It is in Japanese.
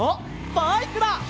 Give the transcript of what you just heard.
バイクだ！